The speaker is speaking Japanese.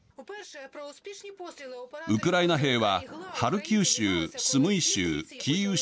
ウクライナ兵はハルキウ州、スムイ州、キーウ州